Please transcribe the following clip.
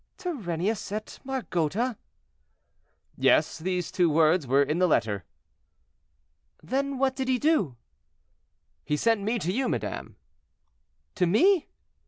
"Turennius et Margota?" "Yes; those two words were in the letter." "Then what did he do?" "He sent me to you, madame." "To me?"